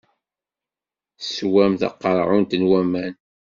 Teswam taqeṛɛunt n waman.